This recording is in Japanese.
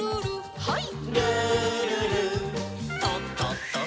はい。